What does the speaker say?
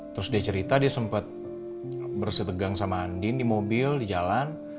terus dia cerita dia sempet bersih tegang sama andin di mobil di jalan